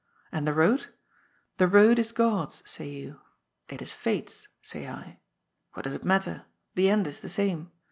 And the road ? The road is God's, say you. It is Fate's, say I. What does it matter? The end is the same.